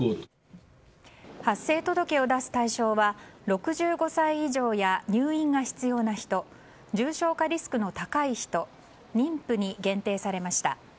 発生届を出す対象は６５歳以上や入院が必要な人重症化リスクの高い人妊婦に限定されました。